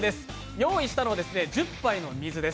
用意したのは１０杯の水です。